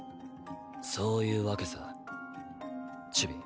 そういうわけさチビ